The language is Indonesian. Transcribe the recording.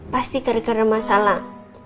pasti gara gara masalah